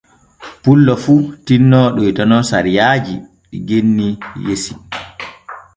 Pullo fu tinno ɗoytano sariyaaji ɗi genni yesi.